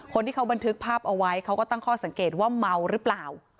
คนที่เขาบันทึกภาพเอาไว้เขาก็ตั้งข้อสังเกตว่าเมาหรือเปล่า